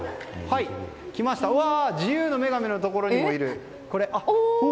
自由の女神のところにいる！